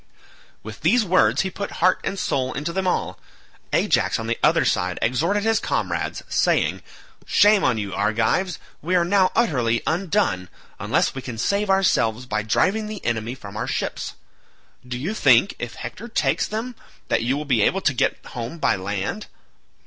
With these words he put heart and soul into them all. Ajax on the other side exhorted his comrades saying, "Shame on you Argives, we are now utterly undone, unless we can save ourselves by driving the enemy from our ships. Do you think, if Hector takes them, that you will be able to get home by land?